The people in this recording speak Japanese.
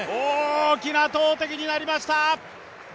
大きな投てきになりました。